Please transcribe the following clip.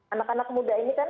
anak anak muda ini kan